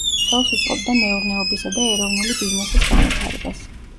ხელს უწყობდა მეურნეობისა და ეროვნული ბიზნესის განვითარებას.